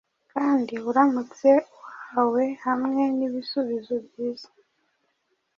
Kandi uramutse uhawe hamwe nibisubizo byiza